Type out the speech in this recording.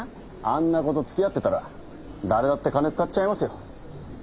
あんな子と付き合ってたら誰だって金使っちゃいますよ。